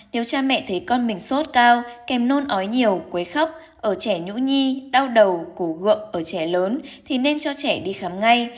nếu cha mẹ thấy con mình sốt cao kèm nôn ói nhiều quấy khóc ở trẻ nhũ nhi đau đầu cổ gượng ở trẻ lớn thì nên cho trẻ đi khám ngay